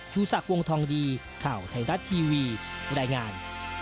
ชูศักดิ์วงทองดีข่าวไทยรัฐทีวีรายงาน